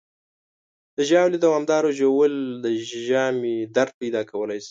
د ژاولې دوامداره ژوول د ژامې درد پیدا کولی شي.